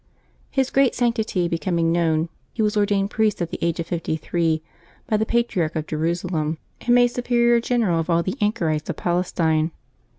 His great sanctity becoming known, he was ordained priest, at the age of fifty three, by the patriarch of Jerusalem, and made Superior General of all the anchorites of Palestine.